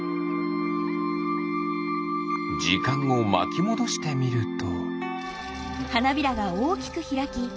じかんをまきもどしてみると。